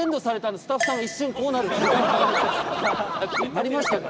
ありましたね。